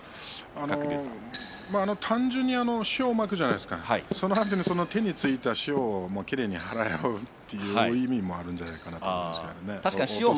単純に塩をまくじゃないですかその手についた塩をきれいに払うという意味もあるんじゃないかなと思うんですけれど。